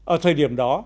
ở thời điểm đó